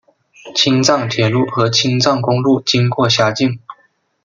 青藏铁路和青藏公路经过辖境。